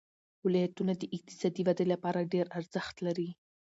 ولایتونه د اقتصادي ودې لپاره ډېر ارزښت لري.